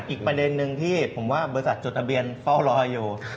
อีกประเด็นนึงที่ผมว่าบริษัทจดทะเบียนเฝ้ารออยู่